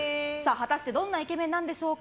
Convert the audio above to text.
果たしてどんなイケメンなのでしょうか？